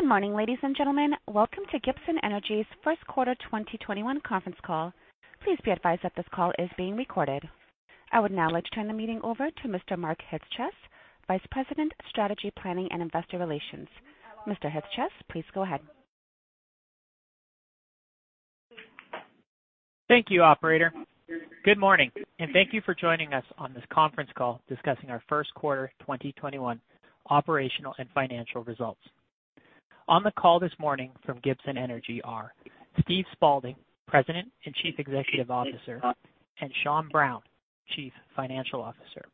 Good morning, ladies and gentlemen. Welcome to Gibson Energy's First Quarter 2021 Conference Call. Please be advised that this call is being recorded. I would now like to turn the meeting over to Mr. Mark Chyc-Cies, Vice President of Strategy, Planning, and Investor Relations. Mr. Chyc-Cies, please go ahead. Thank you, operator. Good morning, and thank you for joining us on this conference call discussing our first quarter 2021 operational and financial results. On the call this morning from Gibson Energy are Steve Spaulding, President and Chief Executive Officer, and Sean Brown, Chief Financial Officer.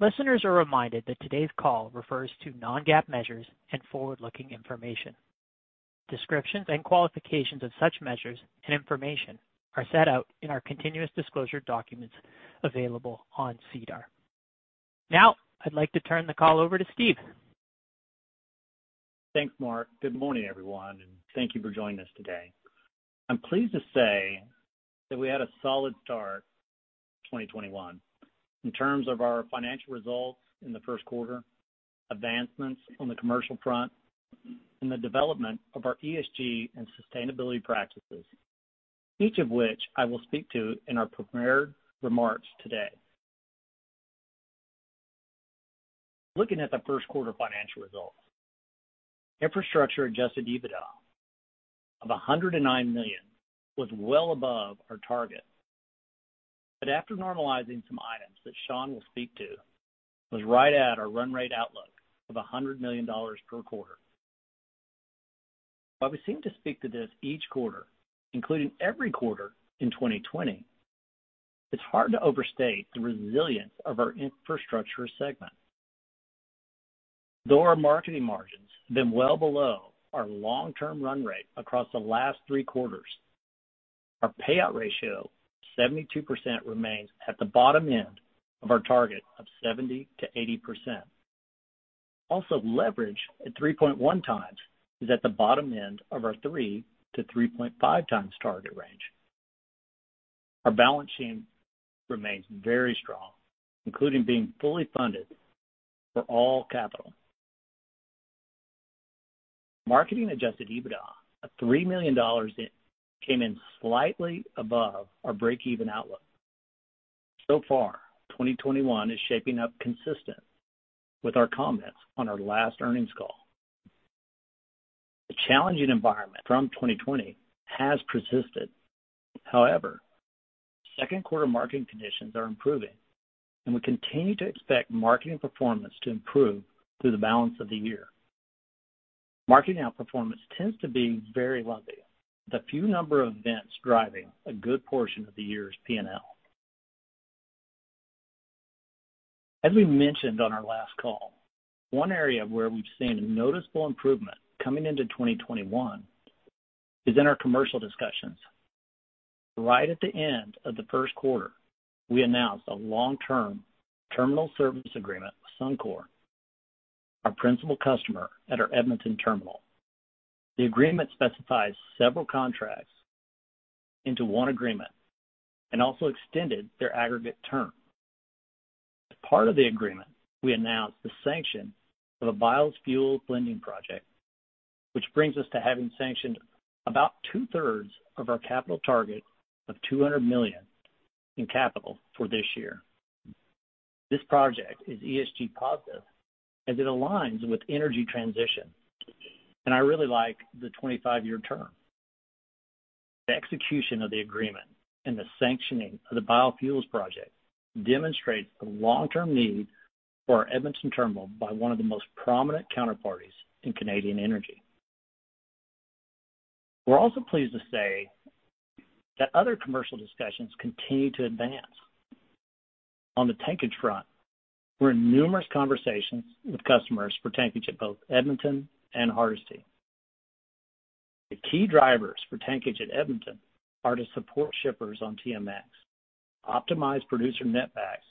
Listeners are reminded that today's call refers to non-GAAP measures and forward-looking information. Descriptions and qualifications of such measures and information are set out in our continuous disclosure documents available on SEDAR. Now, I'd like to turn the call over to Steve. Thanks, Mark. Good morning, everyone, thank you for joining us today. I'm pleased to say that we had a solid start to 2021 in terms of our financial results in the first quarter, advancements on the commercial front, and the development of our ESG and sustainability practices, each of which I will speak to in our prepared remarks today. Looking at the first quarter financial results, infrastructure Adjusted EBITDA of 109 million was well above our target. After normalizing some items that Sean will speak to, it was right at our run rate outlook of 100 million dollars per quarter. While we seem to speak to this each quarter, including every quarter in 2020, it's hard to overstate the resilience of our infrastructure segment. Though our marketing margins have been well below our long-term run rate across the last three quarters, our payout ratio of 72% remains at the bottom end of our target of 70% to 80%. Also, leverage at 3.1x is at the bottom end of our 3x-3.5x target range. Our balance sheet remains very strong, including being fully funded for all capital. Marketing-Adjusted EBITDA of 3 million dollars came in slightly above our break-even outlook. So far, 2021 is shaping up consistent with our comments on our last earnings call. The challenging environment from 2020 has persisted. However, second quarter marketing conditions are improving, and we continue to expect marketing performance to improve through the balance of the year. Marketing outperformance tends to be very lumpy, with a few number of events driving a good portion of the year's P&L. As we mentioned on our last call, one area where we've seen a noticeable improvement coming into 2021 is in our commercial discussions. Right at the end of the first quarter, we announced a long-term terminal service agreement with Suncor, our principal customer at our Edmonton terminal. The agreement specifies several contracts into one agreement and also extended their aggregate term. As part of the agreement, we announced the sanction of a biofuels blending project which brings us to having sanctioned about two-thirds of our capital target of 200 million in capital for this year. This project is ESG positive as it aligns with energy transition, I really like the 25-year term. The execution of the agreement and the sanctioning of the biofuels project demonstrates the long-term need for our Edmonton terminal by one of the most prominent counterparties in Canadian energy. We're also pleased to say that other commercial discussions continue to advance. On the tankage front, we're in numerous conversations with customers for tankage at both Edmonton and Hardisty. The key drivers for tankage at Edmonton are to support shippers on TMX, optimize producer netbacks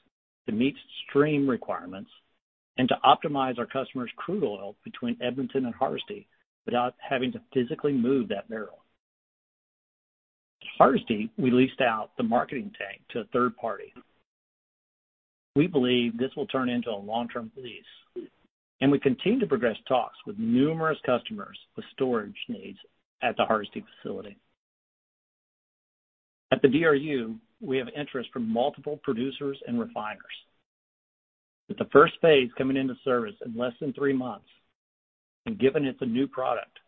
to meet stream requirements, and to optimize our customers' crude oil between Edmonton and Hardisty without having to physically move that barrel. At Hardisty, we leased out the marketing tank to a third party. We believe this will turn into a long-term lease, and we continue to progress talks with numerous customers with storage needs at the Hardisty facility. At the DRU, we have interest from multiple producers and refiners. With the first phase coming into service in less than three months, and given it's a new product,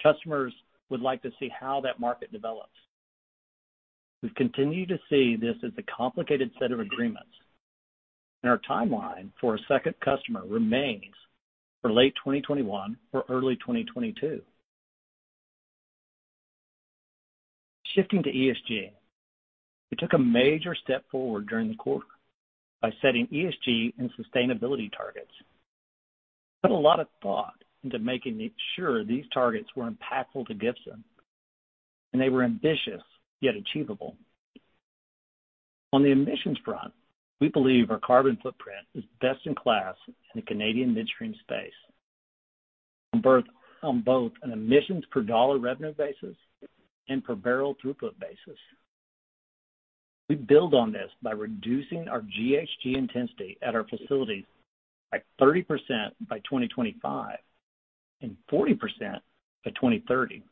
customers would like to see how that market develops. We continue to see this as a complicated set of agreements, and our timeline for a second customer remains for late 2021 or early 2022. Shifting to ESG, we took a major step forward during the quarter by setting ESG and sustainability targets. We put a lot of thought into making sure these targets were impactful to Gibson, and they were ambitious yet achievable. On the emissions front, we believe our carbon footprint is best in class in the Canadian midstream space on both an emissions per dollar revenue basis and per barrel throughput basis. We build on this by reducing our GHG intensity at our facilities by 30% by 2025 and 40% by 2030.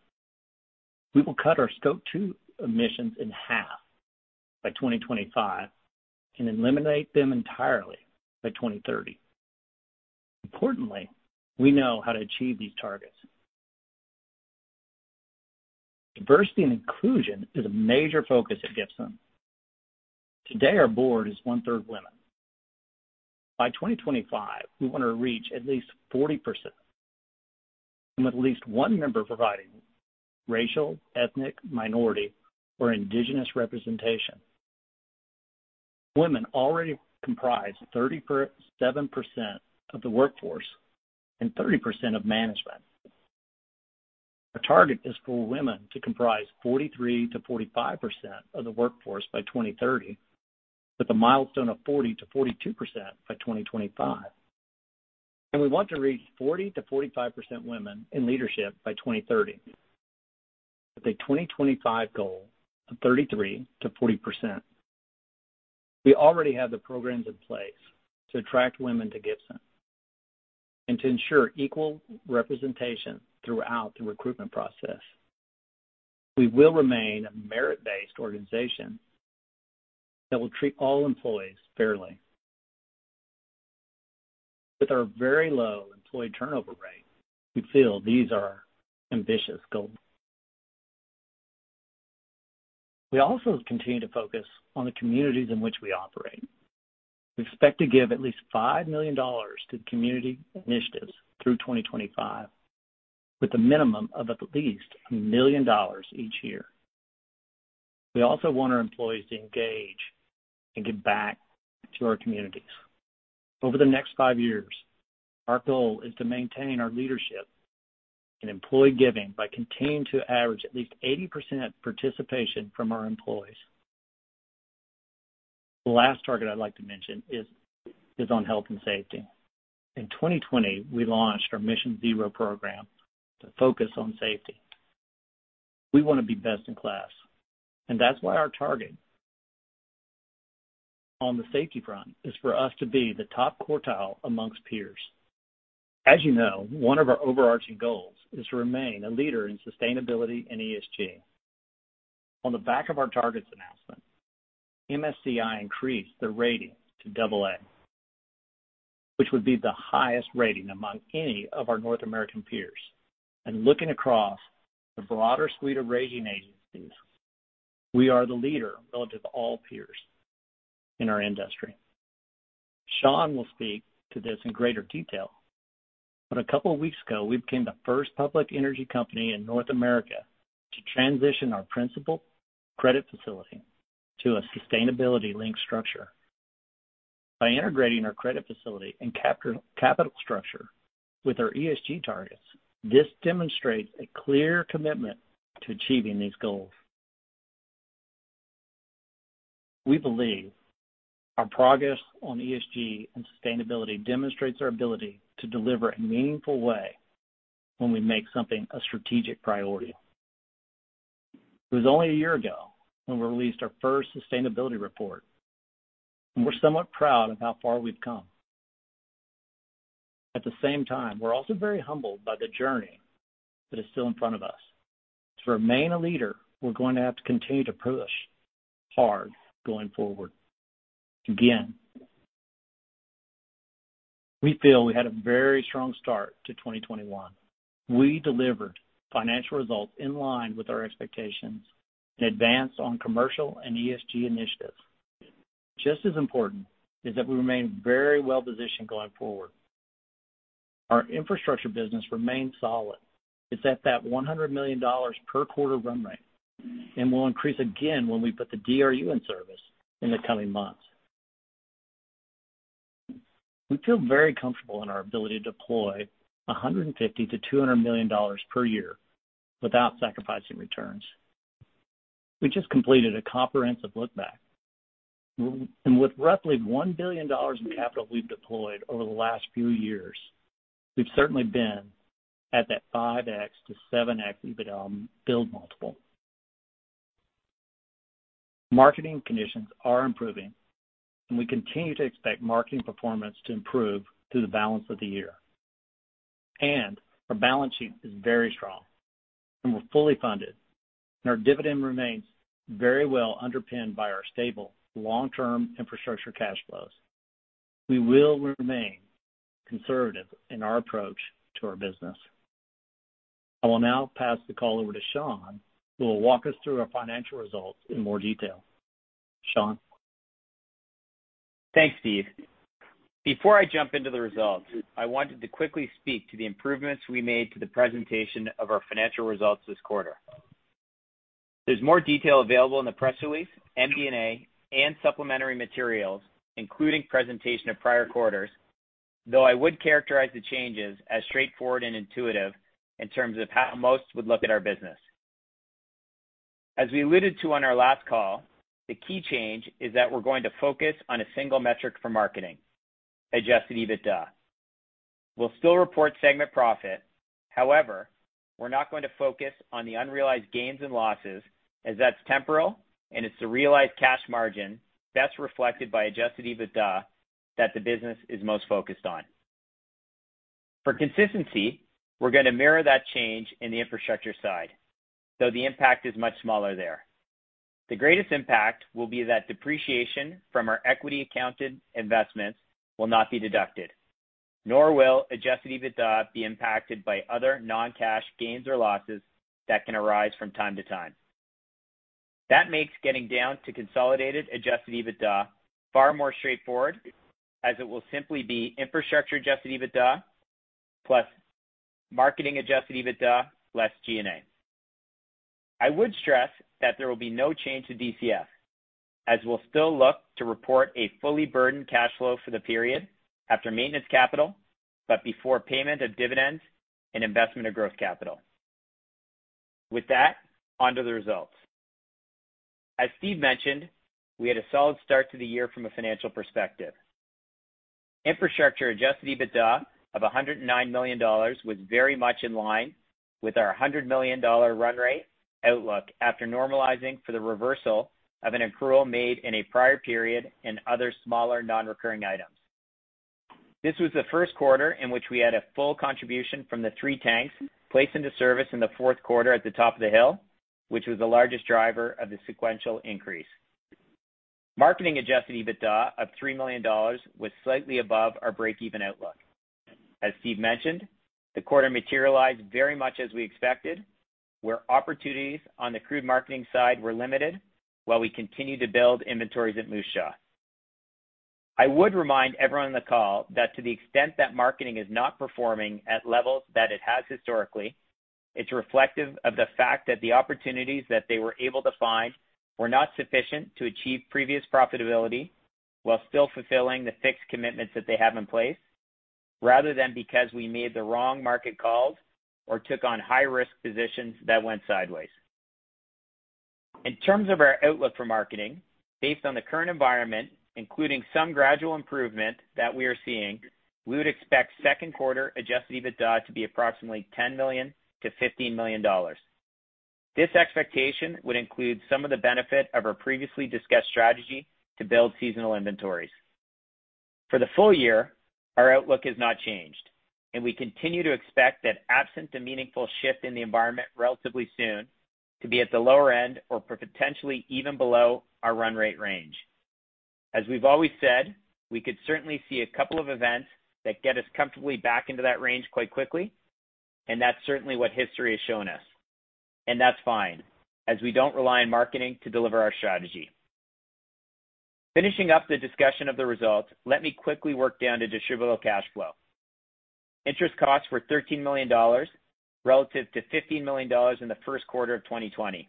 We will cut our Scope 2 emissions in half by 2025 and eliminate them entirely by 2030. Importantly, we know how to achieve these targets. Diversity and inclusion is a major focus at Gibson. Today, our board is one-third women. By 2025, we want to reach at least 40%, and with at least one member providing racial, ethnic minority, or indigenous representation. Women already comprise 37% of the workforce and 30% of management. Our target is for women to comprise 43% to 45% of the workforce by 2030, with a milestone of 40% to 42% by 2025. We want to reach 40% to 45% women in leadership by 2030, with a 2025 goal of 33% to 40%. We already have the programs in place to attract women to Gibson and to ensure equal representation throughout the recruitment process. We will remain a merit-based organization that will treat all employees fairly. With our very low employee turnover rate, we feel these are ambitious goals. We also continue to focus on the communities in which we operate. We expect to give at least 5 million dollars to community initiatives through 2025, with a minimum of at least 1 million dollars each year. We also want our employees to engage and give back to our communities. Over the next five years, our goal is to maintain our leadership in employee giving by continuing to average at least 80% participation from our employees. The last target I'd like to mention is on health and safety. In 2020, we launched our Mission Zero program to focus on safety. We want to be best in class, and that's why our target on the safety front is for us to be the top quartile amongst peers. As you know, one of our overarching goals is to remain a leader in sustainability and ESG. On the back of our targets announcement, MSCI increased their ratings to double A, which would be the highest rating among any of our North American peers. Looking across the broader suite of rating agencies, we are the leader relative to all peers in our industry. Sean will speak to this in greater detail, but a couple of weeks ago, we became the first public energy company in North America to transition our principal credit facility to a sustainability-linked structure. By integrating our credit facility and capital structure with our ESG targets, this demonstrates a clear commitment to achieving these goals. We believe our progress on ESG and sustainability demonstrates our ability to deliver in a meaningful way when we make something a strategic priority. It was only a year ago when we released our first sustainability report, and we're somewhat proud of how far we've come. At the same time, we're also very humbled by the journey that is still in front of us. To remain a leader, we're going to have to continue to push hard going forward. We feel we had a very strong start to 2021. We delivered financial results in line with our expectations and advanced on commercial and ESG initiatives. Just as important is that we remain very well positioned going forward. Our infrastructure business remains solid. It's at that 100 million dollars per quarter run rate, and will increase again when we put the DRU in service in the coming months. We feel very comfortable in our ability to deploy 150 million to 200 million dollars per year without sacrificing returns. We just completed a comprehensive look back, with roughly 1 billion dollars in capital we've deployed over the last few years, we've certainly been at that 5x to 7x EBITDA build multiple. Marketing conditions are improving, we continue to expect marketing performance to improve through the balance of the year. Our balance sheet is very strong, and we're fully funded, and our dividend remains very well underpinned by our stable long-term infrastructure cash flows. We will remain conservative in our approach to our business. I will now pass the call over to Sean, who will walk us through our financial results in more detail. Sean? Thanks, Steve. Before I jump into the results, I wanted to quickly speak to the improvements we made to the presentation of our financial results this quarter. There's more detail available in the press release, MD&A, and supplementary materials, including presentation of prior quarters, though I would characterize the changes as straightforward and intuitive in terms of how most would look at our business. As we alluded to on our last call, the key change is that we're going to focus on a single metric for marketing, Adjusted EBITDA. We'll still report segment profit. We're not going to focus on the unrealized gains and losses, as that's temporal, and it's the realized cash margin that's reflected by Adjusted EBITDA that the business is most focused on. For consistency, we're going to mirror that change in the infrastructure side, though the impact is much smaller there. The greatest impact will be that depreciation from our equity accounted investments will not be deducted, nor will Adjusted EBITDA be impacted by other non-cash gains or losses that can arise from time to time. That makes getting down to consolidated Adjusted EBITDA far more straightforward, as it will simply be infrastructure Adjusted EBITDA plus marketing Adjusted EBITDA less G&A. I would stress that there will be no change to DCF, as we'll still look to report a fully burdened cash flow for the period after maintenance capital, but before payment of dividends and investment of growth capital. With that, on to the results. As Steve mentioned, we had a solid start to the year from a financial perspective. Infrastructure Adjusted EBITDA of 109 million dollars was very much in line with our 100 million dollar run rate outlook after normalizing for the reversal of an accrual made in a prior period and other smaller non-recurring items. This was the first quarter in which we had a full contribution from the three tanks placed into service in the fourth quarter at the Top of the Hill, which was the largest driver of the sequential increase. Marketing-Adjusted EBITDA of 3 million dollars was slightly above our break-even outlook. As Steve mentioned, the quarter materialized very much as we expected, where opportunities on the crude marketing side were limited while we continued to build inventories at Moose Jaw. I would remind everyone on the call that to the extent that marketing is not performing at levels that it has historically, it is reflective of the fact that the opportunities that they were able to find were not sufficient to achieve previous profitability while still fulfilling the fixed commitments that they have in place, rather than because we made the wrong market calls or took on high-risk positions that went sideways. In terms of our outlook for marketing, based on the current environment, including some gradual improvement that we are seeing, we would expect second quarter Adjusted EBITDA to be approximately 10 million to 15 million dollars. This expectation would include some of the benefit of our previously discussed strategy to build seasonal inventories. For the full year, our outlook has not changed, and we continue to expect that absent a meaningful shift in the environment relatively soon to be at the lower end or potentially even below our run rate range. As we've always said, we could certainly see a couple of events that get us comfortably back into that range quite quickly, and that's certainly what history has shown us. That's fine, as we don't rely on marketing to deliver our strategy. Finishing up the discussion of the results, let me quickly work down to distributable cash flow. Interest costs were CAD 13 million relative to CAD 15 million in the first quarter of 2020.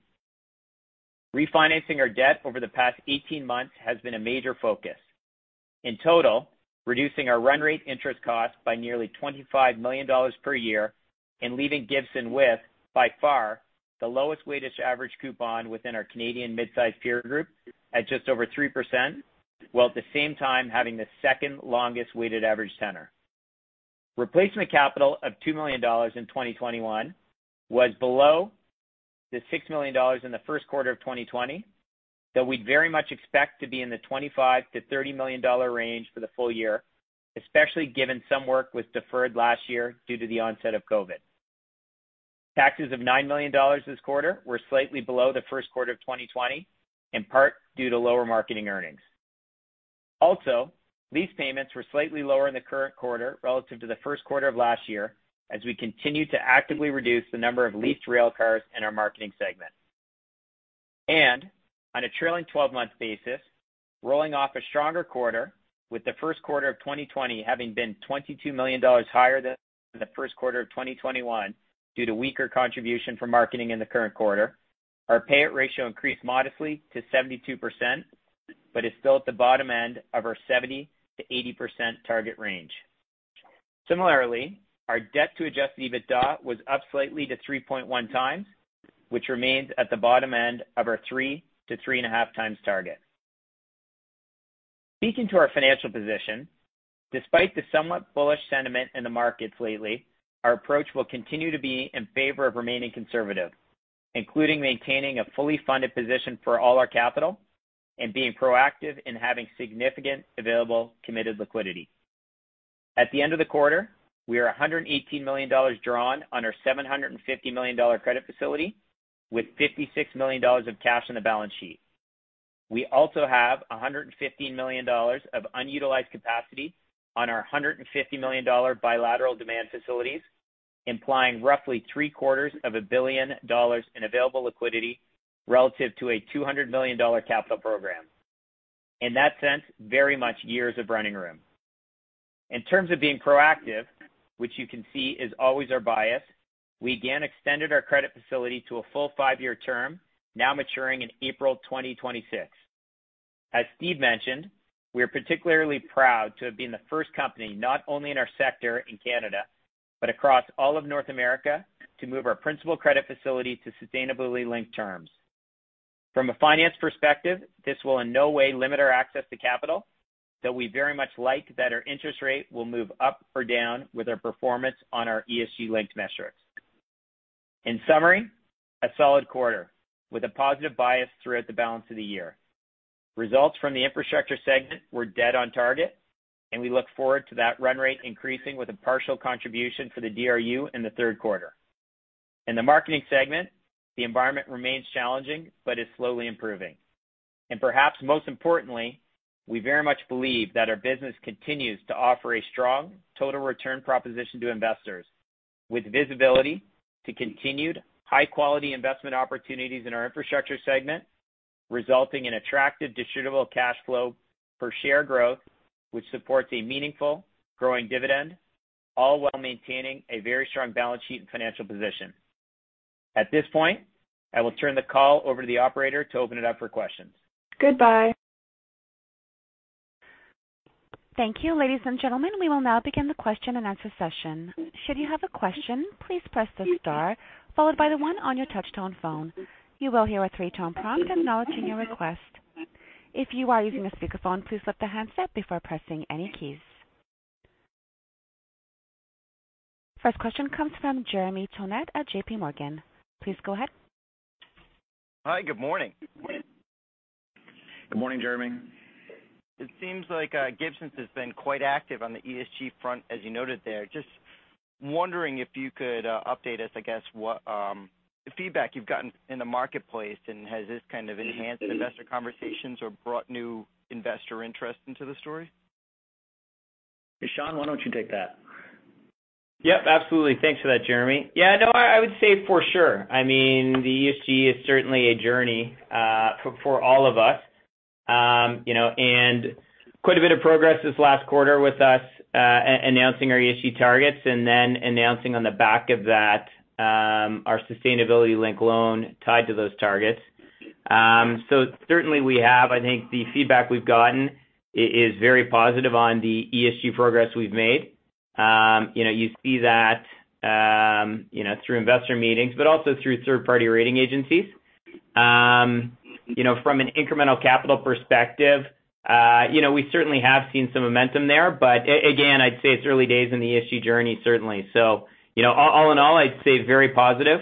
Refinancing our debt over the past 18 months has been a major focus. In total, reducing our run rate interest cost by nearly 25 million dollars per year and leaving Gibson with, by far, the lowest weighted average coupon within our Canadian mid-size peer group at just over 3%, while at the same time having the second longest weighted average tenor. Replacement capital of 2 million dollars in 2021 was below the 6 million dollars in the first quarter of 2020, though we'd very much expect to be in the 25 million-30 million dollar range for the full year, especially given some work was deferred last year due to the onset of COVID. Taxes of 9 million dollars this quarter were slightly below the first quarter of 2020, in part due to lower marketing earnings. Lease payments were slightly lower in the current quarter relative to the first quarter of last year, as we continue to actively reduce the number of leased rail cars in our marketing segment. On a trailing 12-month basis, rolling off a stronger quarter with the first quarter of 2020 having been 22 million dollars higher than the first quarter of 2021 due to weaker contribution from marketing in the current quarter, our payout ratio increased modestly to 72%, but is still at the bottom end of our 70%-80% target range. Similarly, our debt to Adjusted EBITDA was up slightly to 3.1 times, which remains at the bottom end of our 3 to 3.5 times target. Speaking to our financial position, despite the somewhat bullish sentiment in the markets lately, our approach will continue to be in favor of remaining conservative, including maintaining a fully funded position for all our capital and being proactive in having significant available committed liquidity. At the end of the quarter, we are 118 million dollars drawn on our 750 million dollar credit facility with 56 million dollars of cash on the balance sheet. We also have 115 million dollars of unutilized capacity on our 150 million dollar bilateral demand facilities, implying roughly three quarters of a billion CAD in available liquidity relative to a 200 million dollar capital program. In that sense, very much years of running room. In terms of being proactive, which you can see is always our bias, we again extended our credit facility to a full five-year term, now maturing in April 2026. As Steve mentioned, we are particularly proud to have been the first company, not only in our sector in Canada, but across all of North America, to move our principal credit facility to sustainably linked terms. From a finance perspective, this will in no way limit our access to capital, though we very much like that our interest rate will move up or down with our performance on our ESG-linked metrics. In summary, a solid quarter with a positive bias throughout the balance of the year. Results from the infrastructure segment were dead on target, and we look forward to that run rate increasing with a partial contribution for the DRU in the third quarter. In the marketing segment, the environment remains challenging but is slowly improving. Perhaps most importantly, we very much believe that our business continues to offer a strong total return proposition to investors with visibility to continued high-quality investment opportunities in our infrastructure segment, resulting in attractive distributable cash flow per share growth, which supports a meaningful growing dividend, all while maintaining a very strong balance sheet and financial position. At this point, I will turn the call over to the operator to open it up for questions. Goodbye. Thank you. Ladies and gentlemen, we will now begin the question-and-answer session. Should you have a question, please press the star followed by the one on your touch-tone phone. You will hear a three-tone prompt acknowledging your request. If you are using a speakerphone, please lift the handset before pressing any keys. First question comes from Jeremy Tonet at JPMorgan. Please go ahead. Hi. Good morning. Good morning, Jeremy. It seems like Gibson has been quite active on the ESG front, as you noted there. Just wondering if you could update us, I guess, what feedback you've gotten in the marketplace. Has this kind of enhanced investor conversations or brought new investor interest into the story? Sean, why don't you take that? Yep, absolutely. Thanks for that, Jeremy. No, I would say for sure. The ESG is certainly a journey for all of us. Quite a bit of progress this last quarter with us announcing our ESG targets and then announcing on the back of that our sustainability-linked loan tied to those targets. Certainly, we have. I think the feedback we've gotten is very positive on the ESG progress we've made. You see that through investor meetings, but also through third-party rating agencies. From an incremental capital perspective, we certainly have seen some momentum there. Again, I'd say it's early days in the ESG journey, certainly. All in all, I'd say very positive.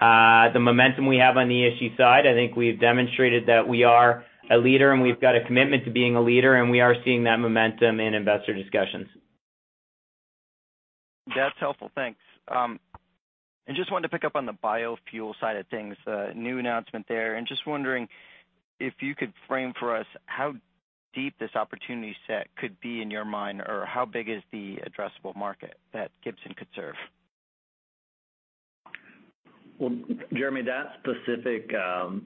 The momentum we have on the ESG side, I think we've demonstrated that we are a leader, and we've got a commitment to being a leader, and we are seeing that momentum in investor discussions. That's helpful. Thanks. I just wanted to pick up on the biofuel side of things, the new announcement there, and just wondering if you could frame for us how deep this opportunity set could be in your mind, or how big is the addressable market that Gibson could serve? Jeremy, that specific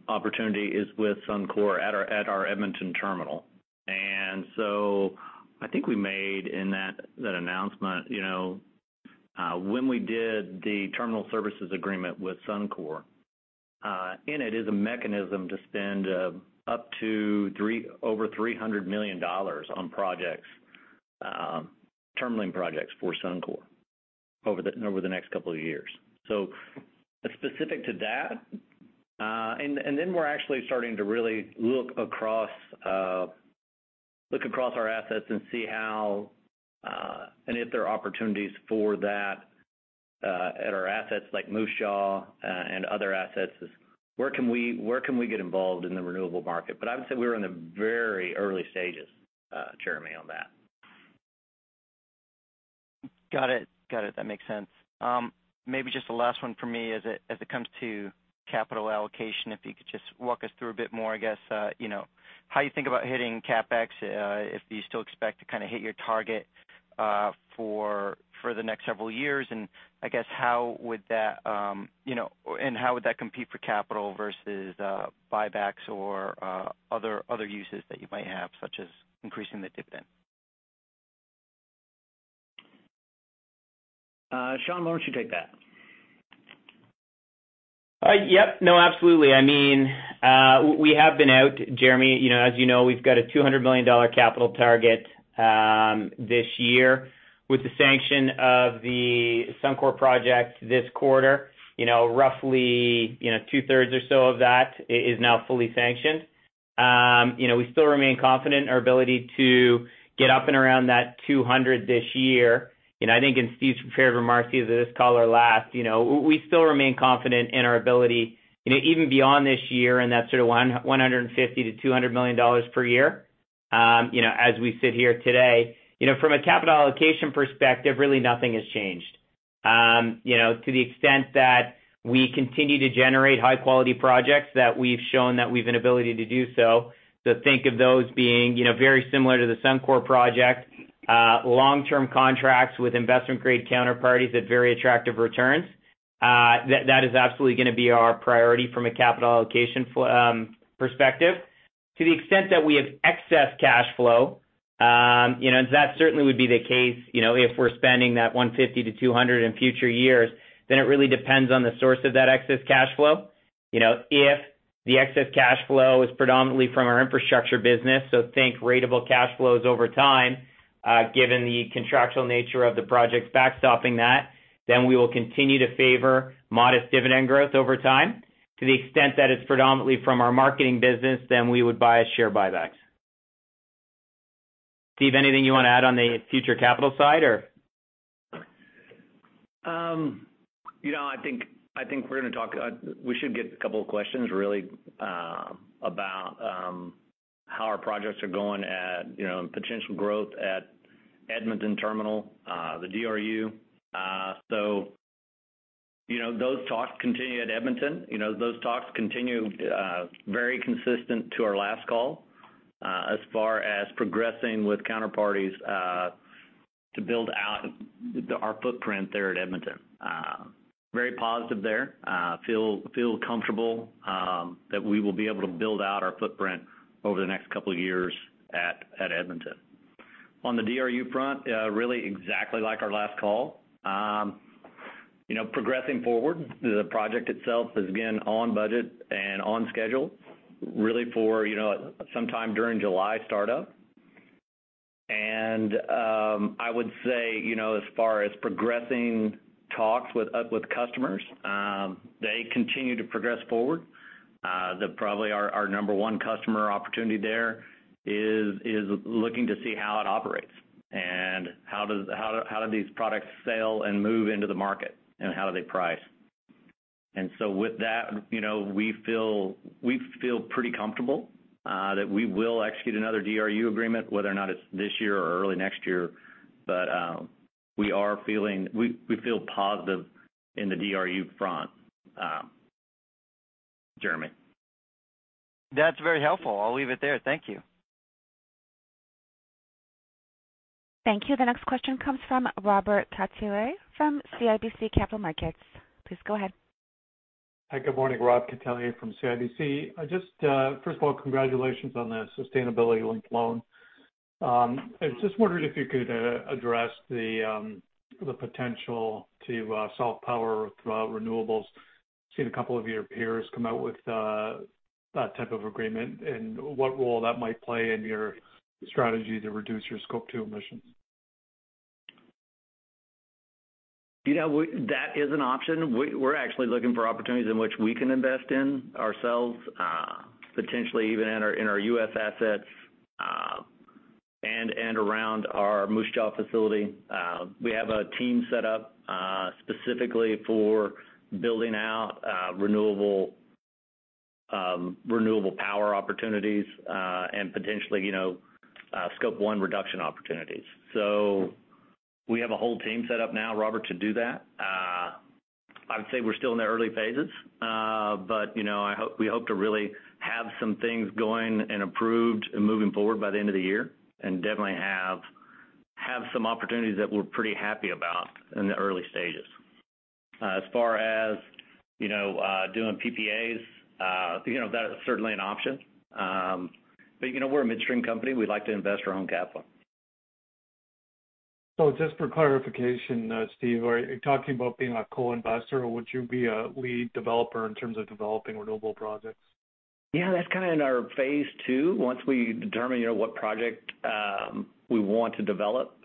opportunity is with Suncor at our Edmonton terminal. I think we made in that announcement, when we did the terminal services agreement with Suncor. In it is a mechanism to spend up to over 300 million dollars on terminal projects for Suncor over the next couple of years. It's specific to that. Then we're actually starting to really look across our assets and see how and if there are opportunities for that at our assets like Moose Jaw and other assets. Where can we get involved in the renewable market? I would say we're in the very early stages, Jeremy, on that. Got it. That makes sense. Maybe just the last one for me as it comes to capital allocation, if you could just walk us through a bit more, I guess, how you think about hitting CapEx, if you still expect to hit your target for the next several years, and how would that compete for capital versus buybacks or other uses that you might have, such as increasing the dividend? Sean, why don't you take that? Yep. No, absolutely. We have been out, Jeremy. As you know, we've got a 200 million dollar capital target this year with the sanction of the Suncor project this quarter. Roughly two-thirds or so of that is now fully sanctioned. We still remain confident in our ability to get up and around that 200 this year. I think in Steve's prepared remarks, either this call or last, we still remain confident in our ability, even beyond this year, and that sort of 150 million to 200 million dollars per year as we sit here today. From a capital allocation perspective, really nothing has changed. To the extent that we continue to generate high-quality projects that we've shown that we've an ability to do so think of those being very similar to the Suncor project, long-term contracts with investment-grade counterparties at very attractive returns. That is absolutely going to be our priority from a capital allocation perspective. To the extent that we have excess cash flow, that certainly would be the case if we're spending that 150 to 200 in future years, then it really depends on the source of that excess cash flow. If the excess cash flow is predominantly from our infrastructure business, think ratable cash flows over time, given the contractual nature of the projects backstopping that, then we will continue to favor modest dividend growth over time. To the extent that it's predominantly from our marketing business, we would buy a share buybacks. Steve, anything you want to add on the future capital side or? I think we should get a couple of questions really about how our projects are going at potential growth at Edmonton Terminal, the DRU. Those talks continue at Edmonton. Those talks continue very consistent to our last call as far as progressing with counterparties to build out our footprint there at Edmonton. Very positive there. Feel comfortable that we will be able to build out our footprint over the next couple of years at Edmonton. On the DRU front, really exactly like our last call. Progressing forward, the project itself is again on budget and on schedule really for sometime during July startup. I would say as far as progressing talks with customers, they continue to progress forward. Probably our number one customer opportunity there is looking to see how it operates and how do these products sell and move into the market, and how do they price. With that, we feel pretty comfortable that we will execute another DRU agreement, whether or not it's this year or early next year. We feel positive in the DRU front. Jeremy. That's very helpful. I'll leave it there. Thank you. Thank you. The next question comes from Robert Catellier from CIBC Capital Markets. Please go ahead. Hi, good morning. Robert Catellier from CIBC. First of all, congratulations on the sustainability linked loan. I was just wondering if you could address the potential to sell power through renewables. I've seen a couple of your peers come out with that type of agreement, and what role that might play in your strategy to reduce your Scope 2 emissions. That is an option. We're actually looking for opportunities in which we can invest in ourselves, potentially even in our U.S. assets, and around our Moose Jaw facility. We have a team set up specifically for building out renewable power opportunities, and potentially Scope 1 reduction opportunities. We have a whole team set up now, Robert, to do that. I would say we're still in the early phases. We hope to really have some things going and approved and moving forward by the end of the year, and definitely have some opportunities that we're pretty happy about in the early stages. As far as doing PPAs, that is certainly an option. We're a midstream company. We like to invest our own capital. Just for clarification, Steve, are you talking about being a co-investor or would you be a lead developer in terms of developing renewable projects? That's kind of in our phase II. Once we determine what project we want to develop,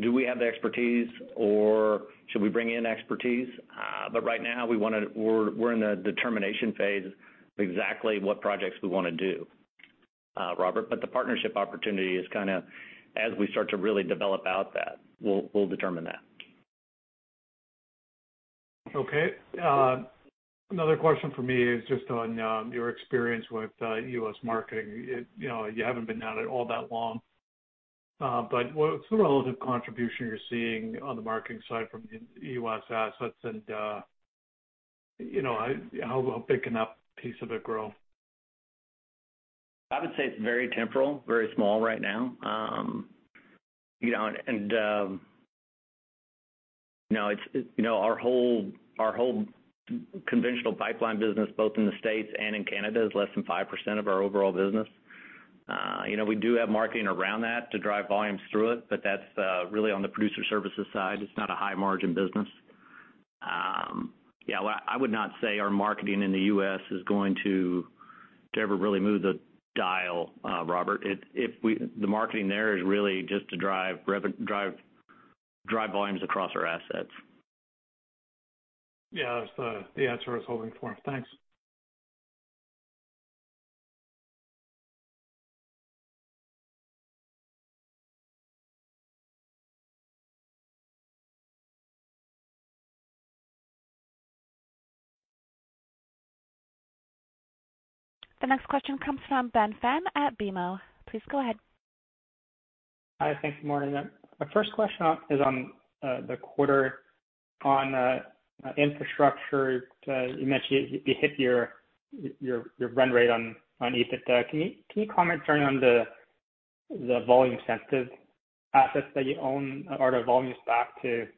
do we have the expertise or should we bring in expertise? Right now we're in the determination phase exactly what projects we want to do, Robert. The partnership opportunity is kind of as we start to really develop out that, we'll determine that. Okay. Another question from me is just on your experience with U.S. marketing. You haven't been at it all that long. What's the relative contribution you're seeing on the marketing side from U.S. assets and how big a piece of it grow? I would say it's very temporal, very small right now. Our whole conventional pipeline business, both in the States and in Canada, is less than 5% of our overall business. We do have marketing around that to drive volumes through it, but that's really on the producer services side. It's not a high margin business. I would not say our marketing in the U.S. is going to ever really move the dial, Robert. The marketing there is really just to drive volumes across our assets. Yeah, that's the answer I was hoping for. Thanks. The next question comes from Ben Pham at BMO. Please go ahead. Hi. Thank you. Morning. My first question is on the quarter on infrastructure. You mentioned you hit your run rate on EBITDA. Can you comment, Jeremy, on the volume sensitive assets that you own? Are the volumes back to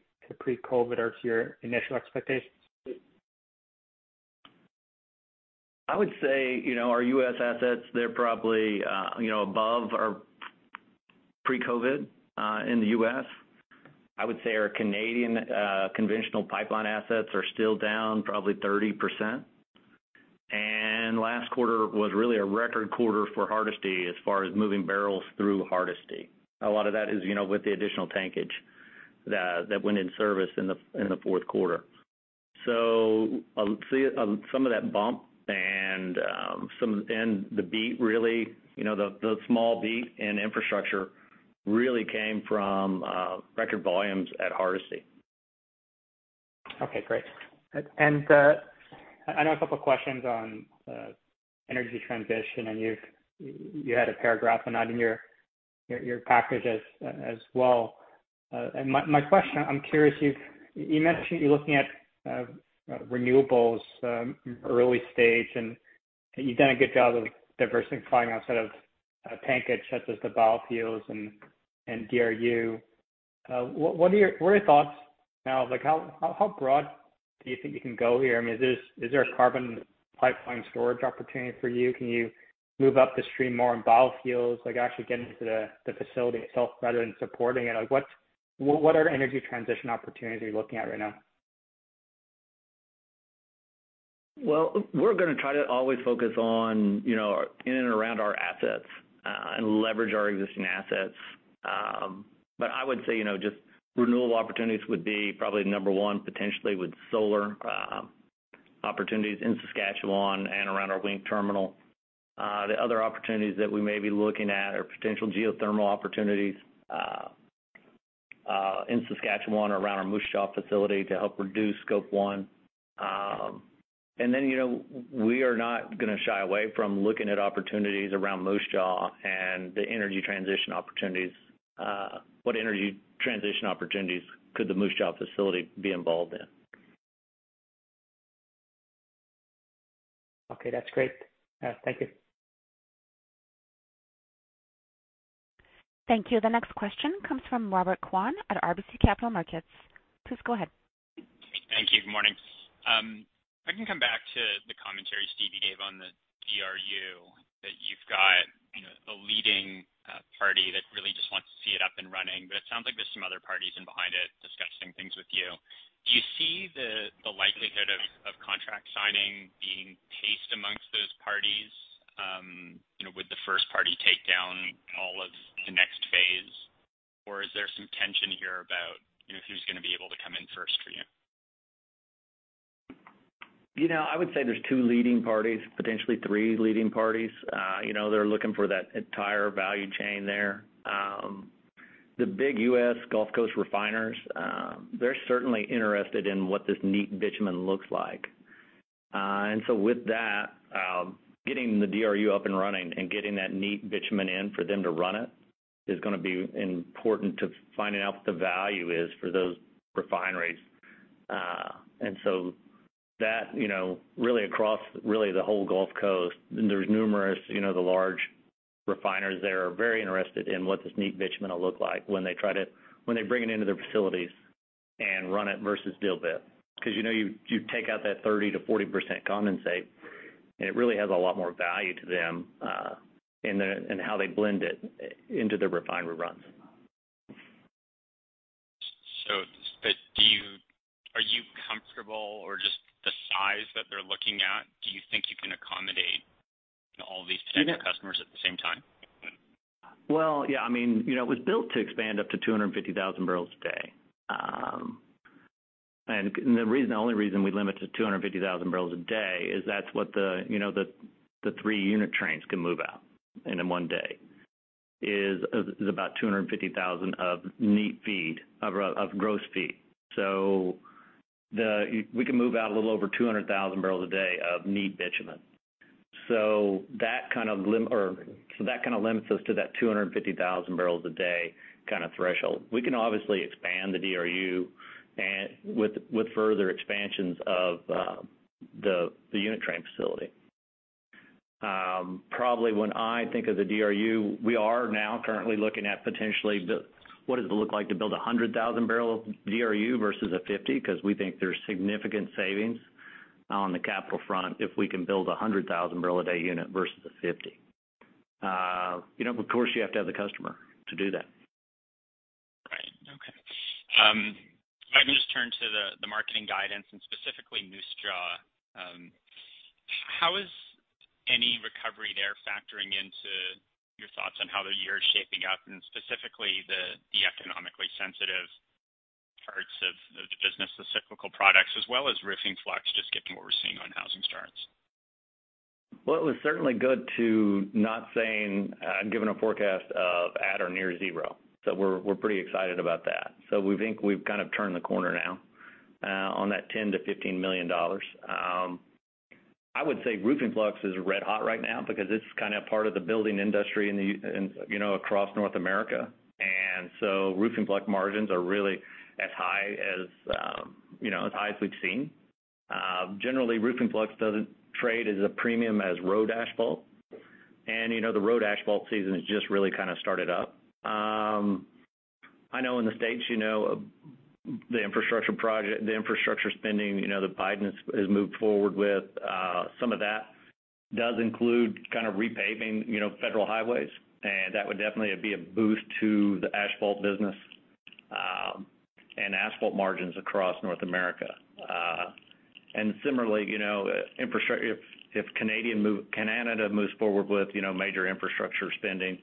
pre-COVID or to your initial expectations? I would say our U.S. assets, they're probably above our pre-COVID in the U.S. I would say our Canadian conventional pipeline assets are still down probably 30%. Last quarter was really a record quarter for Hardisty as far as moving barrels through Hardisty. A lot of that is with the additional tankage that went in service in the fourth quarter. Some of that bump and the beat really, the small beat in infrastructure really came from record volumes at Hardisty. Okay, great. I know a couple of questions on energy transition, and you had a paragraph on that in your package as well. My question, I'm curious, you mentioned you're looking at renewables early stage, and you've done a good job of diversifying outside of tankage such as the biofuels and DRU. What are your thoughts now? How broad do you think you can go here? I mean, is there a carbon pipeline storage opportunity for you? Can you move up the stream more on biofuels, like actually get into the facility itself rather than supporting it? What are energy transition opportunities you're looking at right now? Well, we're going to try to always focus on in and around our assets, and leverage our existing assets. I would say, just renewable opportunities would be probably the number one, potentially with solar opportunities in Saskatchewan and around our Link terminal. The other opportunities that we may be looking at are potential geothermal opportunities in Saskatchewan or around our Moose Jaw facility to help reduce Scope 1. Then, we are not going to shy away from looking at opportunities around Moose Jaw and the energy transition opportunities. What energy transition opportunities could the Moose Jaw facility be involved in? Okay, that's great. Thank you. Thank you. The next question comes from Robert Kwan at RBC Capital Markets. Please go ahead. Thank you. Good morning. If I can come back to the commentary, Steve, you gave on the DRU that you've got a leading party that really just wants to see it up and running but it sounds like there's some other parties in behind it discussing things with you. Do you see the likelihood of contract signing being paced amongst those parties? Would the first party take down all of the next phase or is there some tension here about who's going to be able to come in first for you? I would say there's two leading parties, potentially three leading parties. They're looking for that entire value chain there. The big U.S. Gulf Coast refiners, they're certainly interested in what this neat bitumen looks like. With that, getting the DRU up and running and getting that neat bitumen in for them to run it is going to be important to finding out what the value is for those refineries. That, really across really the whole Gulf Coast, there's numerous large refiners there are very interested in what this neat bitumen will look like when they bring it into their facilities and run it versus Dilbit. Because you take out that 30% to 40% condensate, and it really has a lot more value to them in how they blend it into the refinery runs. So Steve, are you comfortable or just the size that they're looking at, do you think you can accommodate all these potential customers at the same time? Well, yeah. It was built to expand up to 250,000 barrels a day. The only reason we limit to 250,000 barrels a day is that's what the three-unit trains can move out in one day. Is about 250,000 of gross feed. We can move out a little over 200,000 barrels a day of neat bitumen. That kind of limits us to that 250,000 barrels a day kind of threshold. We can obviously expand the DRU with further expansions of the unit train facility. Probably when I think of the DRU, we are now currently looking at potentially what does it look like to build 100,000-barrel DRU versus a 50,000 because we think there's significant savings on the capital front if we can build a 100,000-barrel a day unit versus a 50,000. Of course, you have to have the customer to do that. Right. Okay. If I can just turn to the marketing guidance and specifically Moose Jaw. How is any recovery there factoring into your thoughts on how the year is shaping up and specifically the economically sensitive parts of the business, the cyclical products, as well as Roofing Flux, just given what we're seeing on housing starts? It was certainly good to not saying giving a forecast of at or near zero. We're pretty excited about that. We think we've kind of turned the corner now on that 10 million to 15 million dollars. I would say Roofing Flux is red hot right now because it's kind of part of the building industry across North America. Roofing Flux margins are really as high as we've seen. Generally, Roofing Flux doesn't trade as a premium as road asphalt. The road asphalt season has just really kind of started up. I know in the U.S., the infrastructure spending that Biden has moved forward with, some of that does include kind of repaving federal highways, and that would definitely be a boost to the asphalt business and asphalt margins across North America. Similarly, if Canada moves forward with major infrastructure spending,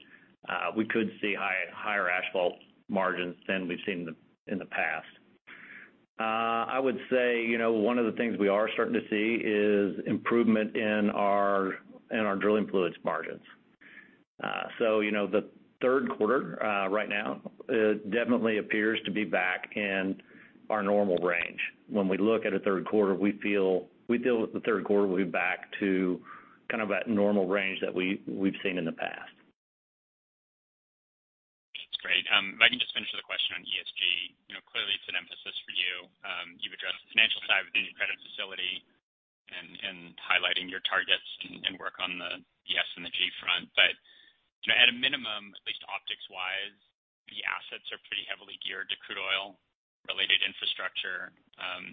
we could see higher asphalt margins than we've seen in the past. I would say, one of the things we are starting to see is improvement in our drilling fluids margins. The third quarter right now definitely appears to be back in our normal range. When we look at a third quarter, we feel the third quarter will be back to that normal range that we've seen in the past. That's great. If I can just finish the question on ESG. Clearly it's an emphasis for you. You've addressed the financial side with the new credit facility and highlighting your targets and work on the ES and the G front. At a minimum, at least optics-wise, the assets are pretty heavily geared to crude oil-related infrastructure.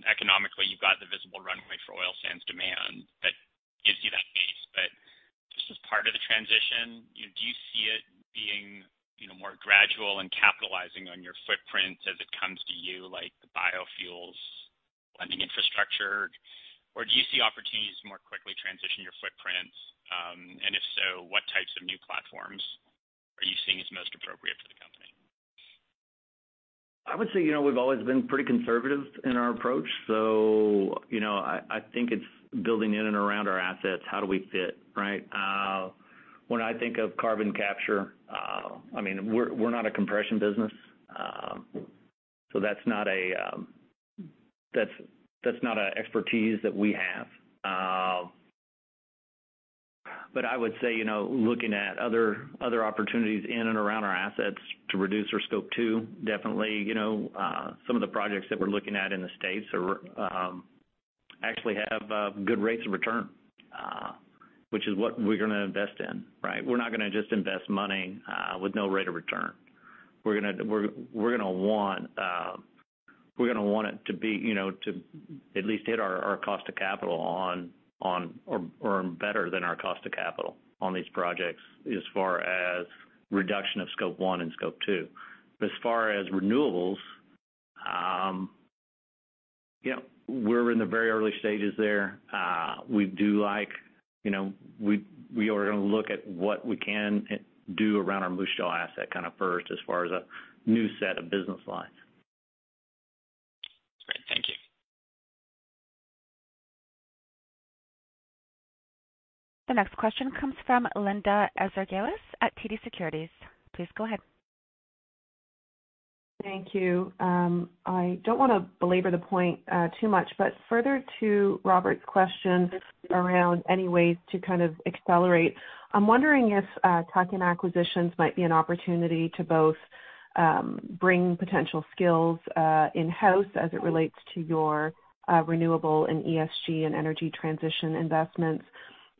Economically, you've got the visible runway for oil sands demand that gives you that base. Just as part of the transition, do you see it being more gradual and capitalizing on your footprint as it comes to you, like the biofuels lending infrastructure or do you see opportunities to more quickly transition your footprint? If so, what types of new platforms are you seeing as most appropriate for the company? I would say, we've always been pretty conservative in our approach. I think it's building in and around our assets, how do we fit, right? When I think of carbon capture, we're not a compression business, so that's not an expertise that we have. I would say, looking at other opportunities in and around our assets to reduce our Scope 2, definitely some of the projects that we're looking at in the U.S. actually have good rates of return, which is what we're going to invest in, right? We're not going to just invest money with no rate of return. We're going to want it to at least hit our cost of capital or earn better than our cost of capital on these projects as far as reduction of Scope 1 and Scope 2. As far as renewables, we're in the very early stages there. We are going to look at what we can do around our Moose Jaw asset first as far as a new set of business lines. Great. Thank you. The next question comes from Linda Ezergailis at TD Securities. Please go ahead. Thank you. I don't want to belabor the point too much but further to Robert's question around any ways to kind of accelerate, I'm wondering if tuck-in acquisitions might be an opportunity to both bring potential skills in-house as it relates to your renewable and ESG and energy transition investments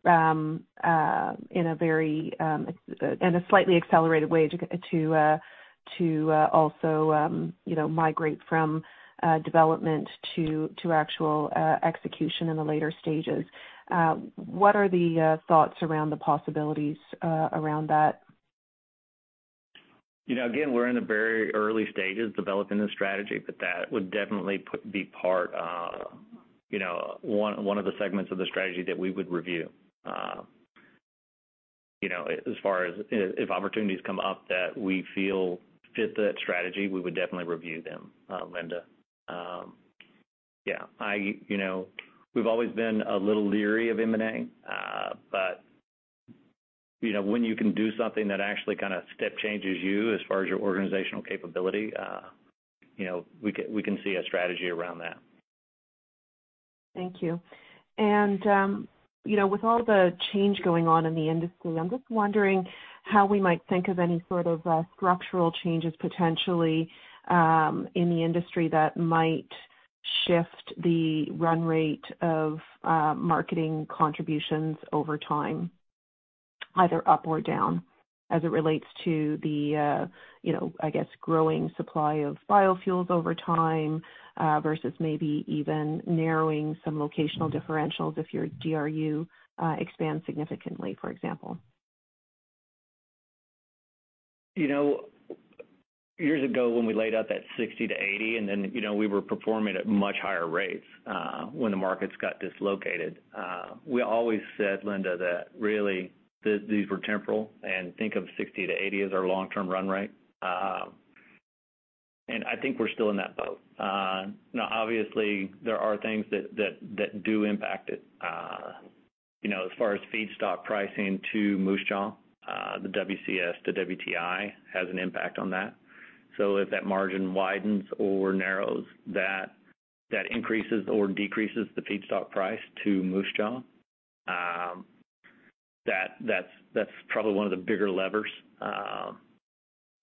in a slightly accelerated way to also migrate from development to actual execution in the later stages. What are the thoughts around the possibilities around that? Again, we're in the very early stages developing this strategy, but that would definitely be one of the segments of the strategy that we would review. If opportunities come up that we feel fit that strategy, we would definitely review them, Linda. Yeah. We've always been a little leery of M&A, but when you can do something that actually kind of step changes you as far as your organizational capability, we can see a strategy around that. Thank you. With all the change going on in the industry, I'm just wondering how we might think of any sort of structural changes potentially in the industry that might shift the run rate of marketing contributions over time, either up or down, as it relates to the, I guess, growing supply of biofuels over time, versus maybe even narrowing some locational differentials if your DRU expands significantly, for example. Years ago when we laid out that 60 to 80, then we were performing at much higher rates when the markets got dislocated. We always said, Linda, that really, these were temporal, think of 60 to 80 as our long-term run rate. I think we're still in that boat. Obviously, there are things that do impact it. As far as feedstock pricing to Moose Jaw, the WCS to WTI has an impact on that. If that margin widens or narrows, that increases or decreases the feedstock price to Moose Jaw. That's probably one of the bigger levers.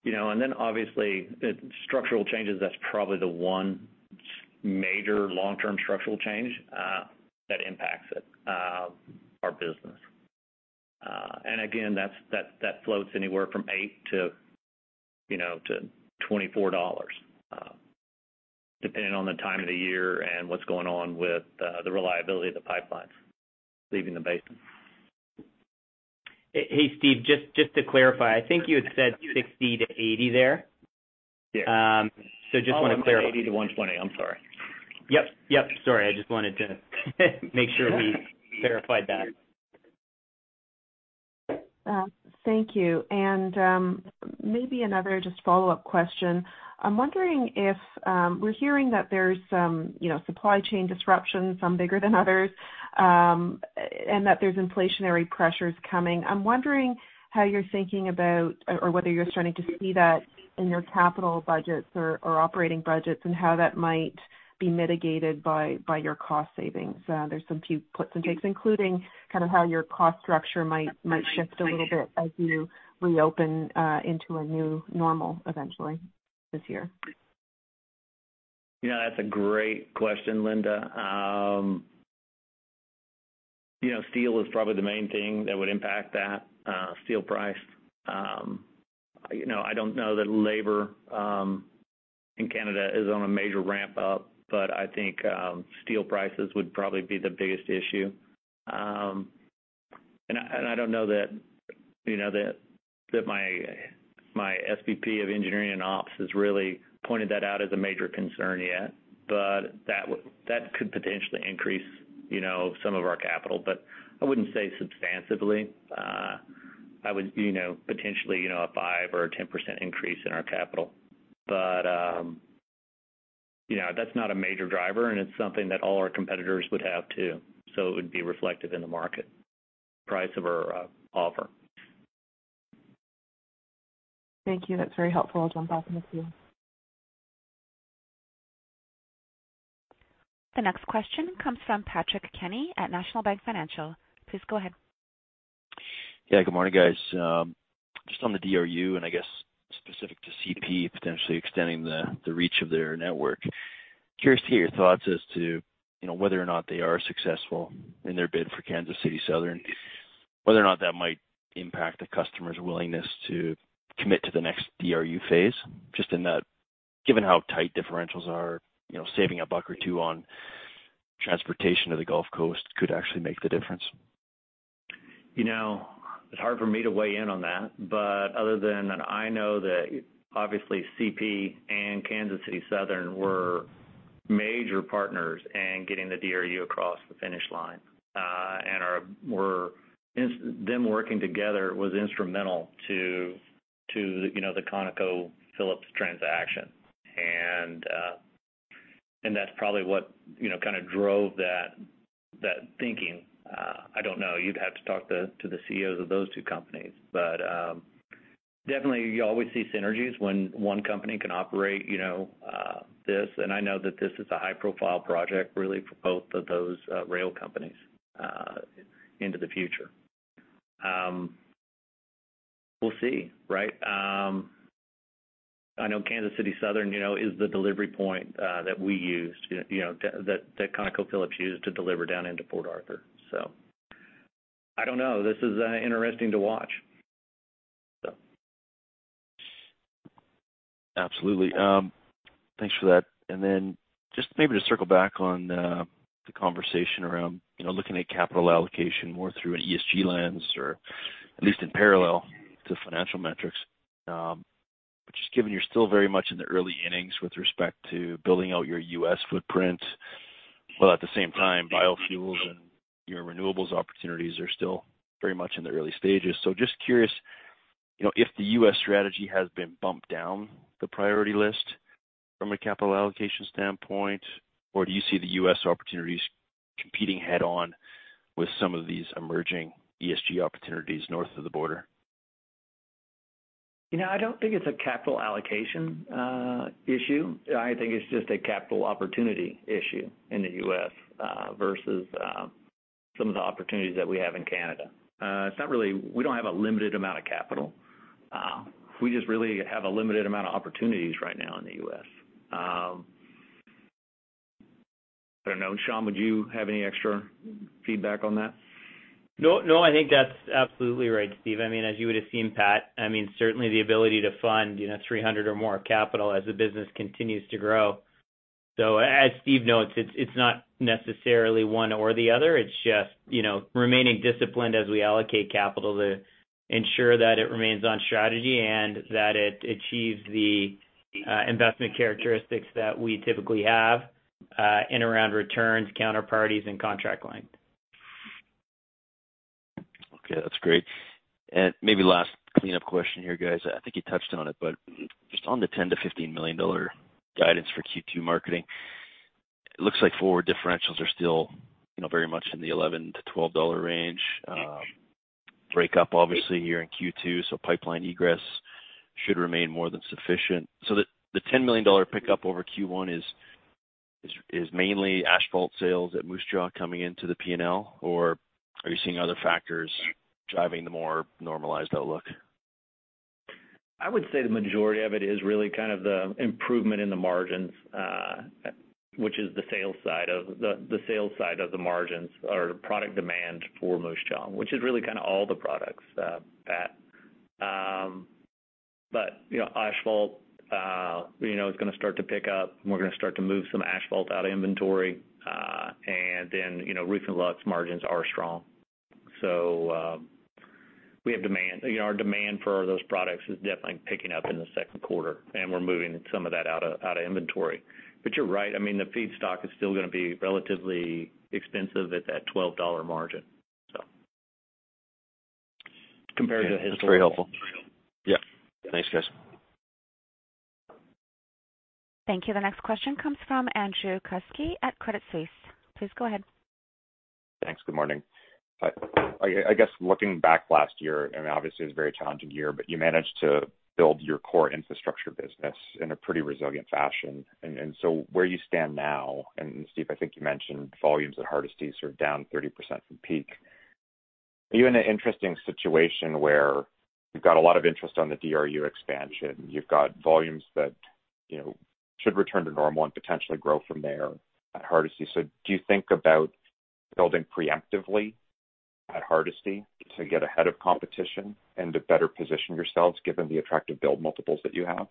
Then obviously, structural changes, that's probably the one major long-term structural change that impacts our business. Again, that floats anywhere from 8 to 24 dollars, depending on the time of the year and what's going on with the reliability of the pipelines leaving the basin. Hey, Steve, just to clarify, I think you had said 60 to 80 there? Yeah. I just want to clarify. Oh, I meant 80 to 120. I'm sorry. Yep. Sorry. I just wanted to make sure we verified that. Thank you. Maybe another just follow-up question. We're hearing that there's some supply chain disruptions, some bigger than others, and that there's inflationary pressures coming. I'm wondering how you're thinking about or whether you're starting to see that in your capital budgets or operating budgets, and how that might be mitigated by your cost savings. There's some puts and takes, including how your cost structure might shift a little bit as you reopen into a new normal eventually this year. That's a great question, Linda. Steel is probably the main thing that would impact that steel price. I don't know that labor in Canada is on a major ramp-up, but I think steel prices would probably be the biggest issue. I don't know that my SVP of engineering and ops has really pointed that out as a major concern yet. That could potentially increase some of our capital, but I wouldn't say substantively, potentially a 5% or a 10% increase in our capital. That's not a major driver, and it's something that all our competitors would have, too, so it would be reflective in the market price of our offer. Thank you. That is very helpful. I will jump off in the queue. The next question comes from Patrick Kenny at National Bank Financial. Please go ahead. Yeah. Good morning, guys. Just on the DRU, I guess specific to CP potentially extending the reach of their network. Curious to hear your thoughts as to whether or not they are successful in their bid for Kansas City Southern, whether or not that might impact the customer's willingness to commit to the next DRU phase, just in that given how tight differentials are, saving a buck or two on transportation to the Gulf Coast could actually make the difference? It's hard for me to weigh in on that, but other than that I know that obviously CP and Kansas City Southern were major partners in getting the DRU across the finish line. Them working together was instrumental to the ConocoPhillips transaction. That's probably what drove that thinking. I don't know. You'd have to talk to the CEOs of those two companies. Definitely you always see synergies when one company can operate this, and I know that this is a high-profile project really for both of those rail companies into the future. We'll see, right? I know Kansas City Southern is the delivery point that ConocoPhillips used to deliver down into Port Arthur. I don't know. This is interesting to watch. Absolutely. Thanks for that. Just maybe to circle back on the conversation around looking at capital allocation more through an ESG lens, or at least in parallel to financial metrics. Just given you're still very much in the early innings with respect to building out your U.S. footprint, while at the same time biofuels and your renewables opportunities are still very much in the early stages. Just curious if the U.S. strategy has been bumped down the priority list from a capital allocation standpoint or do you see the U.S. opportunities competing head-on with some of these emerging ESG opportunities North of the border? I don't think it's a capital allocation issue. I think it's just a capital opportunity issue in the U.S. versus some of the opportunities that we have in Canada. We don't have a limited amount of capital. We just really have a limited amount of opportunities right now in the U.S. I don't know. Sean, would you have any extra feedback on that? I think that's absolutely right, Steve. As you would've seen, Pat, certainly the ability to fund 300 or more of capital as the business continues to grow. As Steve notes, it's not necessarily one or the other. It's just remaining disciplined as we allocate capital to ensure that it remains on strategy and that it achieves the investment characteristics that we typically have in around returns, counterparties, and contract length. Okay. That's great. Maybe last cleanup question here, guys. I think you touched on it, just on the 10 million to 15 million dollar guidance for Q2 marketing, it looks like forward differentials are still very much in the 11 to 12 dollar range break up obviously here in Q2, so pipeline egress should remain more than sufficient. The 10 million dollar pickup over Q1 is mainly asphalt sales at Moose Jaw coming into the P&L, or are you seeing other factors driving the more normalized outlook? I would say the majority of it is really kind of the improvement in the margins, which is the sales side of the margins or the product demand for Moose Jaw, which is really kind of all the products, Pat. Asphalt is going to start to pick up and we're going to start to move some asphalt out of inventory. Roofing Flux margins are strong. We have demand. Our demand for those products is definitely picking up in the second quarter, and we're moving some of that out of inventory. You're right. I mean, the feedstock is still going to be relatively expensive at that 12 dollar margin. Compared to historical. That's very helpful. Yeah. Thanks, guys. Thank you. The next question comes from Andrew Kuske at Credit Suisse. Please go ahead. Thanks. Good morning. I guess looking back last year, and obviously it was a very challenging year, but you managed to build your core infrastructure business in a pretty resilient fashion. Where you stand now, and Steve, I think you mentioned volumes at Hardisty sort of down 30% from peak. You had an interesting situation where you've got a lot of interest on the DRU expansion. You've got volumes that should return to normal and potentially grow from there at Hardisty. Do you think about building preemptively at Hardisty to get ahead of competition and to better position yourselves given the attractive build multiples that you have?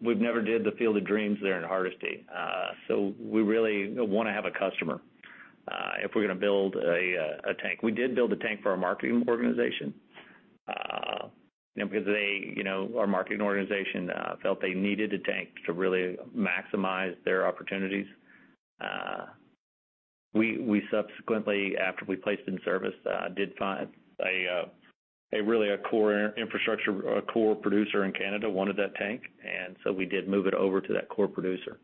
We've never did the field of dreams there in Hardisty. We really want to have a customer if we're going to build a tank. We did build a tank for our marketing organization because our marketing organization felt they needed a tank to really maximize their opportunities. We subsequently, after we placed in service, did find really a core producer in Canada wanted that tank, and so we did move it over to that core producer.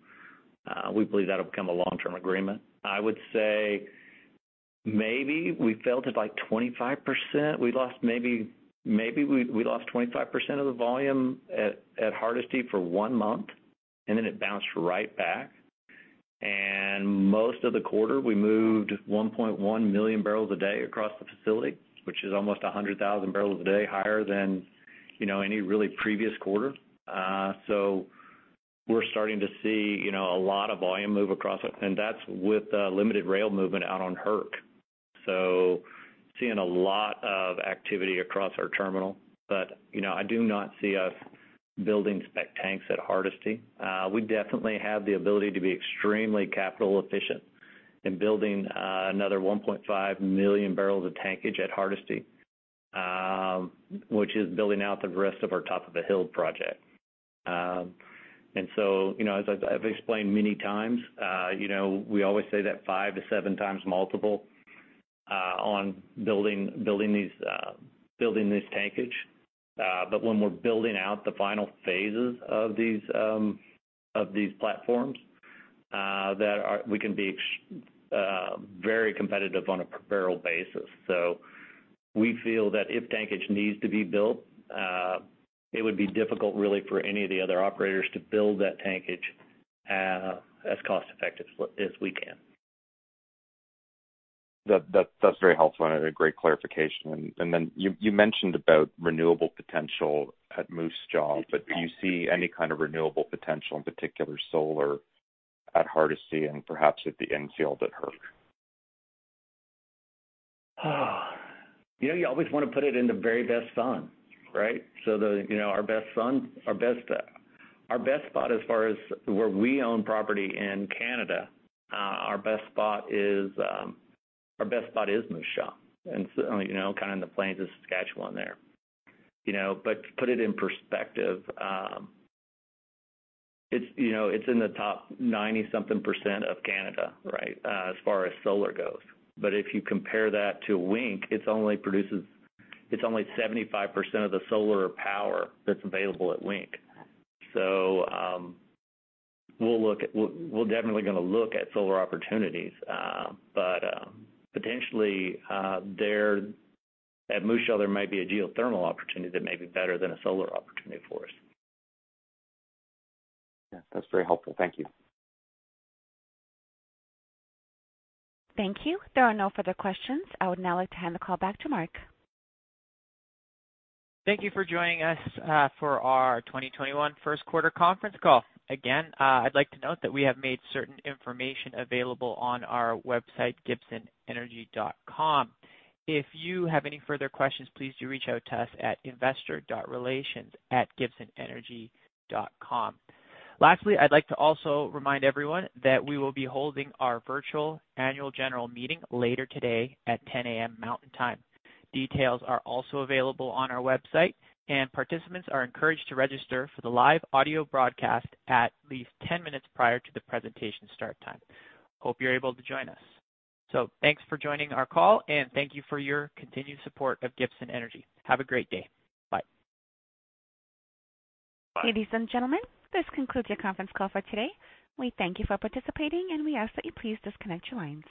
We believe that'll become a long-term agreement. I would say maybe we felt at, like, 25%. Maybe we lost 25% of the volume at Hardisty for one month, and then it bounced right back. Most of the quarter, we moved 1.1 million barrels a day across the facility, which is almost 100,000 barrels a day higher than any really previous quarter. We're starting to see a lot of volume move across it and that's with limited rail movement out on Hardisty. Seeing a lot of activity across our terminal. I do not see us building spec tanks at Hardisty. We definitely have the ability to be extremely capital efficient in building another 1.5 million barrels of tankage at Hardisty, which is building out the rest of our top of the hill project. As I've explained many times, we always say that five to seven times multiple on building this tankage. When we're building out the final phases of these platforms, that we can be very competitive on a per barrel basis. We feel that if tankage needs to be built, it would be difficult really for any of the other operators to build that tankage as cost effective as we can. That's very helpful and a great clarification. Then you mentioned about renewable potential at Moose Jaw, but do you see any kind of renewable potential, in particular solar, at Hardisty and perhaps at the infield at Hardisty? You always want to put it in the very best sun, right? So our best spot as far as where we own property in Canada, our best spot is Moose Jaw, kind of in the plains of Saskatchewan there. To put it in perspective, it's in the top 90-something percent of Canada, right, as far as solar goes. If you compare that to Wink, it only produces 75% of the solar power that's available at Wink. So we'll definitely going to look at solar opportunities. Potentially at Moose Jaw, there might be a geothermal opportunity that may be better than a solar opportunity for us. Yeah. That's very helpful. Thank you. Thank you. There are no further questions. I would now like to hand the call back to Mark. Thank you for joining us for our 2021 first quarter conference call. Again, I'd like to note that we have made certain information available on our website, gibsonenergy.com. If you have any further questions, please do reach out to us at investor.relations@gibsonenergy.com. Lastly, I'd like to also remind everyone that we will be holding our virtual annual general meeting later today at 10:00 A.M. Mountain Time. Details are also available on our website and participants are encouraged to register for the live audio broadcast at least 10 minutes prior to the presentation start time. Hope you're able to join us. Thanks for joining our call, and thank you for your continued support of Gibson Energy. Have a great day. Bye. Bye. Ladies and gentlemen, this concludes your conference call for today. We thank you for participating, and we ask that you please disconnect your lines.